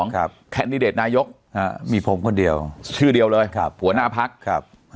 แคนดิเดตนายกมีผมคนเดียวชื่อเดียวเลยครับหัวหน้าพักครับ